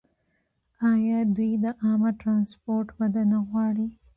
آیا دوی د عامه ټرانسپورټ وده نه غواړي؟